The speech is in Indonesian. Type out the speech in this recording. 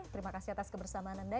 terima kasih atas kebersamaan anda